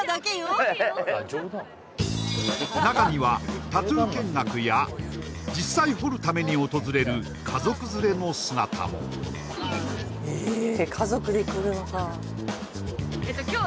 中にはタトゥー見学や実際彫るために訪れる家族連れの姿もええっ